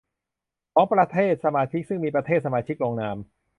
ของประเทศสมาชิกซึ่งมีประเทศสมาชิกลงนาม